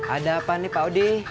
ada apa nih pak odi